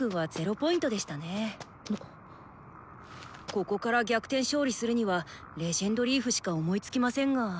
ここから逆転勝利するには「レジェンドリーフ」しか思いつきませんが。